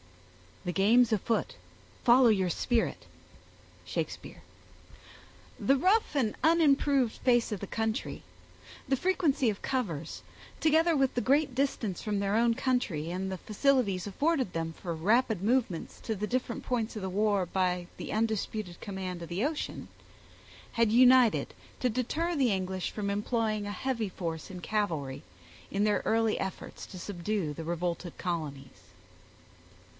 The game's afoot; Follow your spirit. —SHAKESPEARE. The rough and unimproved face of the country, the frequency of covers, together with the great distance from their own country, and the facilities afforded them for rapid movements to the different points of the war, by the undisputed command of the ocean, had united to deter the English from employing a heavy force in cavalry, in their early efforts to subdue the revolted colonies.